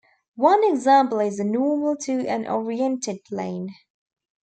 One example is the normal to an oriented plane.